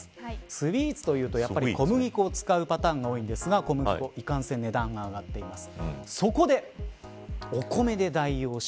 スイーツというと小麦粉を使うパターンが多いですが小麦粉、いかんせん値段が上がっています。